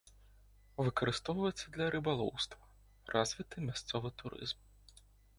Выкарыстоўваецца для рыбалоўства, развіты мясцовы турызм.